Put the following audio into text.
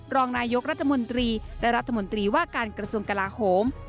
รองนายกรัฐมนตรีและรัฐมนตรีว่าการกระทรวงกลาโหม